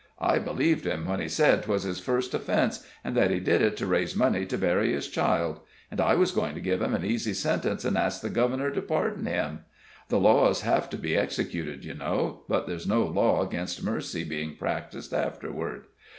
I believed him when he said 'twas his first offense, and that he did it to raise money to bury his child; and I was going to give him an easy sentence, and ask the Governor to pardon him. The laws have to be executed, you know, but there's no law against mercy being practiced afterward.